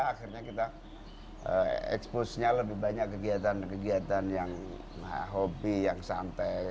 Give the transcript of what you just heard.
akhirnya kita expose nya lebih banyak kegiatan kegiatan yang hobi yang santai